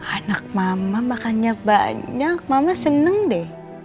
anak mama makannya banyak mama seneng deh